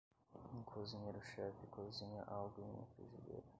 Um cozinheiro chefe cozinha algo em uma frigideira.